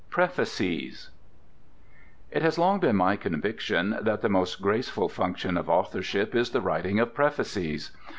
PREFACES It has long been my conviction that the most graceful function of authorship is the writing of prefaces.